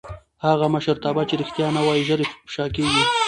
هغه مشرتابه چې رښتیا نه وايي ژر افشا کېږي